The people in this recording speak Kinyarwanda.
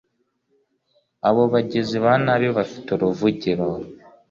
abo bagizi ba nabi, bafite uruvugiro